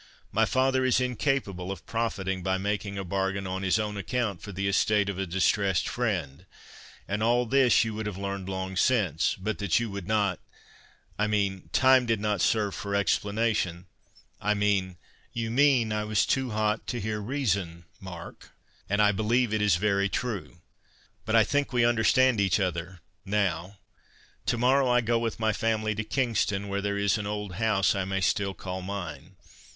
My father is incapable of profiting by making a bargain on his own account for the estate of a distressed friend; and all this you would have learned long since, but that you would not—I mean, time did not serve for explanation—I mean"— "You mean I was too hot to hear reason, Mark, and I believe it is very true. But I think we understand each other now. To morrow I go with my family to Kingston, where is an old house I may still call mine.